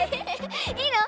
いいの？